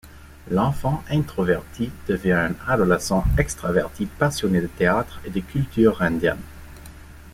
L'enfant introverti devient un adolescent extraverti passionné de théâtre et de culture indienne.